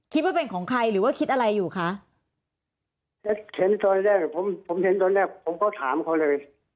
คิดว่าเป็นของใครหรือว่าคิดอะไรอยู่คะเข็นซอยแรกผมผมเห็นตอนแรกผมก็ถามเขาเลย